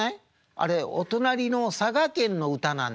あれお隣の佐賀県の歌なんですってあれ。